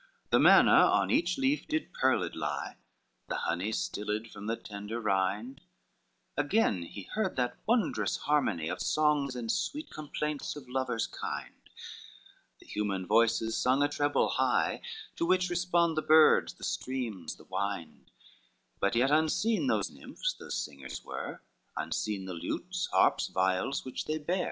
XXIV The manna on each leaf did pearled lie, The honey stilled from the tender rind; Again he heard that wondrous harmony, Of songs and sweet complaints of lovers kind, The human voices sung a triple high, To which respond the birds, the streams, the wind, But yet unseen those nymphs, those singers were, Unseen the lutes, harps, viols which they bear.